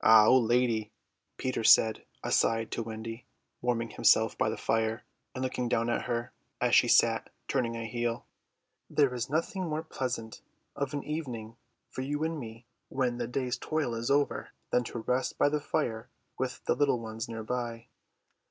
"Ah, old lady," Peter said aside to Wendy, warming himself by the fire and looking down at her as she sat turning a heel, "there is nothing more pleasant of an evening for you and me when the day's toil is over than to rest by the fire with the little ones near by."